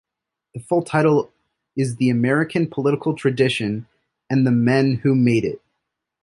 The full title is The American Political Tradition and the Men Who Made It.